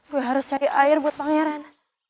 gue harus cari air buat pangeran